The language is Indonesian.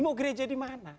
mau gereja di mana